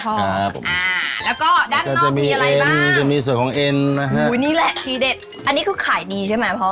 แล้วก็ด้านนอกมีอะไรบ้างจะมีส่วนของเอ็นนะครับอันนี้คือขายดีใช่ไหมพ่อ